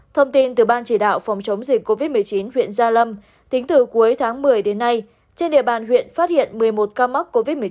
thông tin từ ban chỉ đạo phòng chống dịch covid một mươi chín huyện gia lâm tính từ cuối tháng một mươi đến nay trên địa bàn huyện phát hiện một mươi một ca mắc covid một mươi chín